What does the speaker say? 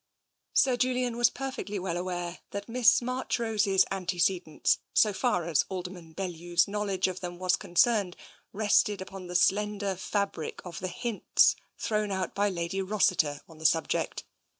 Sir Julian was perfectly well aware that Miss March rose's antecedents, so far as Alderman Bellew's knowl edge of them was concerned, rested upon the slender fabric of the hints thrown out by Lady Rossiter on the subject.